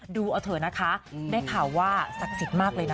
ดูเอาเถอะนะคะได้ข่าวว่าศักดิ์สิทธิ์มากเลยนะ